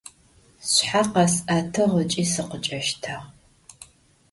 Sşshe khes'etığ ıç'i sıkhıç'eştag.